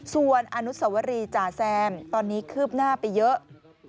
ส่วนอนุสวรีจ่าแซมตอนนี้คืบหน้าไปเยอะ